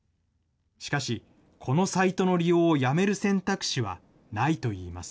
しかし、このサイトの利用をやめる選択肢はないといいます。